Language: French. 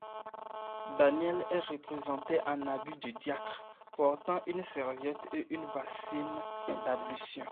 Daniel est représenté en habit de diacre, portant une serviette et une bassine d'ablution.